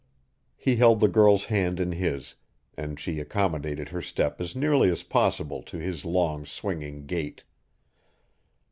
He held the girl's hand in his, and she accommodated her step as nearly as possible to his long, swinging gait.